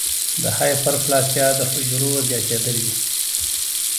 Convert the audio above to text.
د هایپرپلاسیا د حجرو زیاتېدل دي.